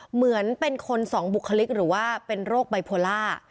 เหมือนเป็นคนสองบุคลิกหรือว่าเป็นโรคไบโพล่า